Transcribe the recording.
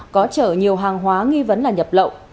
có chở nhiều hàng hóa nghi vấn là nhập lậu